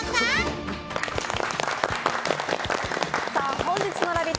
本日のラヴィット！